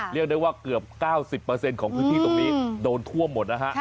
เรียกได้ว่าเกือบ๙๐ของพื้นที่ตรงนี้โดนท่วมหมดนะฮะ